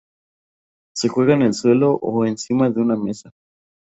Se juega en el suelo o encima de una mesa.